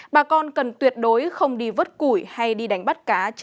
bà con cần tuyệt đối không đi vớt củi hay đi đánh bắt cá